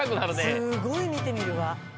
すごいみてみるわ。